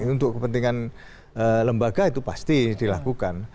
untuk kepentingan lembaga itu pasti dilakukan